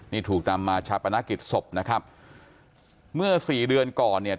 นี่ถูกนำมาชาปนกิจศพนะครับเมื่อสี่เดือนก่อนเนี่ย